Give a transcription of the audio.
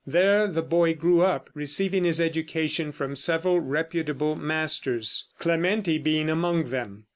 There the boy grew up, receiving his education from several reputable masters, Clementi being among them.